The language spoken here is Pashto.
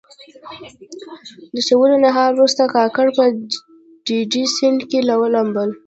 د شولو نهال وروسته کاکړ په ډډي سیند کې لامبل.